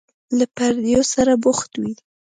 له پردیو سره بوخت وي.